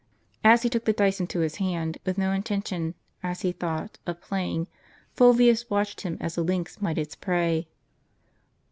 As he took the dice into his hand, with no intention, as he thought, of playing, Fulvius watched him as a lynx might its prey.